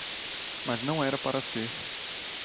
Mas não era para ser.